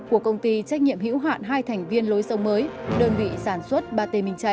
của công ty trách nhiệm hữu hạn hai thành viên lối sông mới đơn vị sản xuất ba t minh chay